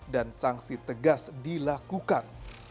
dan sanksi tegas dilakukan